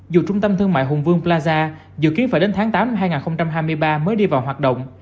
dù trung tâm thương mại hùng vương plaza dự kiến phải đến tháng tám năm hai nghìn hai mươi ba mới đi vào hoạt động